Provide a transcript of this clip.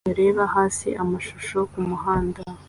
Abantu babiri bareba hasi amashusho ku muhanda